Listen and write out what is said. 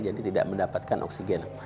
jadi tidak mendapatkan oksigen